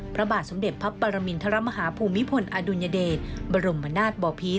พระบาทสมเด็จพระปรมินทรมาฮาภูมิพลอดุลยเดชบรมนาศบอพิษ